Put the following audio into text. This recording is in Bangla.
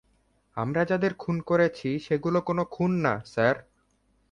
আমরা যাদের খুন করেছি সেগুলো কোনো খুন না, স্যার।